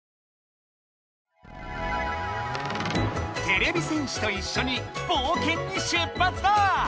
てれび戦士といっしょにぼうけんに出発だ！